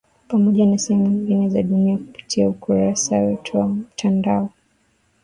Pamoja na sehemu nyingine za dunia kupitia ukurasa wetu wa mtandao